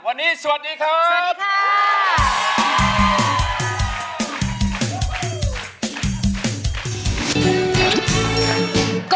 วันนี้สวัสดีครับ